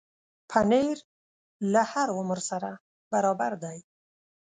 پنېر له هر عمر سره برابر دی.